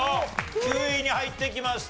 ９位に入ってきました。